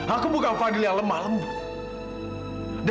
aku bukan fadil yang lemah lembut